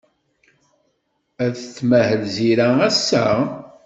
Ad tmahel Zira ass-a?